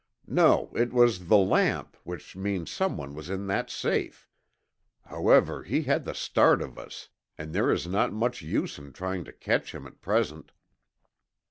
No, it was the lamp, which means someone was in that safe. However, he had the start of us, and there is not much use in trying to catch him at present."